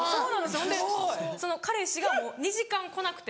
ほんでその彼氏が２時間来なくて。